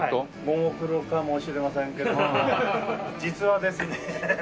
ももクロかもしれませんけど実はですね。